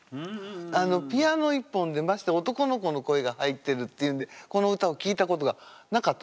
ピアノ一本でまして男の子の声が入ってるっていうんでこの歌を聴いたことがなかった。